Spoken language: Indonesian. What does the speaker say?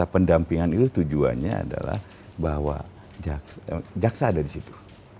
pendampingan itu tujuannya adalah bahwa jaksa ada di situ